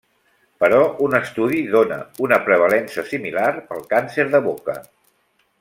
Però un estudi dóna una prevalença similar pel càncer de boca.